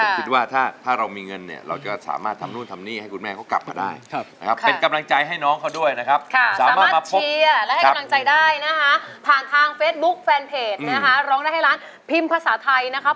พี่อยากให้ต้าสามารถทำหนุ่มนี่ทำให้คุณแม่ก็กลับมาได้นะครับ